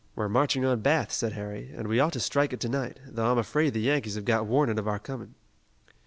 "We're marching on Bath," said Harry, "and we ought to strike it to night, though I'm afraid the Yankees have got warning of our coming."